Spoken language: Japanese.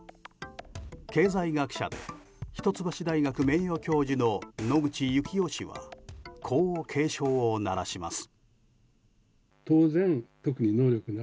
経済学者で一橋大学名誉教授の野口悠紀雄氏はこう警鐘を鳴らします。